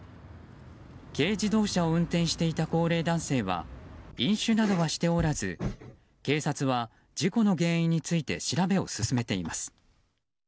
軽自動車を運転していた高齢男性は飲酒などはしておらず警察は事故の原因について調べを進めています。